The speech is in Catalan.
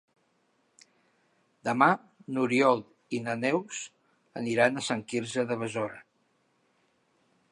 Demà n'Oriol i na Neus aniran a Sant Quirze de Besora.